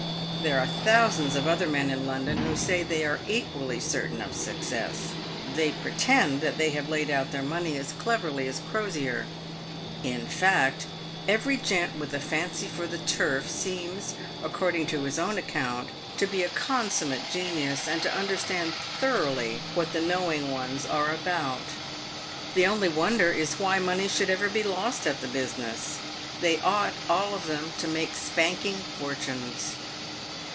There are thousands of other men in London who say they are equally certain of success. They pretend that they have laid out their money as cleverly as Crosier. In fact, every gent with a fancy for the turf seems, according to his own ac count, to be a consummate genius, and to understand thoroughly what the knowing ones are about. The only wonder is why money should ever be lost at the business. They ought, all of them, to make spanking fortunes.